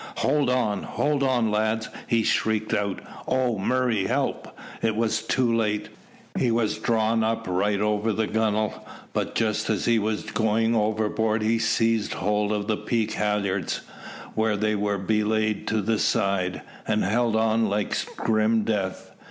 "Hold on! hold on, lads!" he shrieked out; "oh, Murray, help!" It was too late. He was drawn up right over the gunwale, but just as he was going overboard he seized hold of the peak halyards, where they were belayed to the side, and held on like grim death.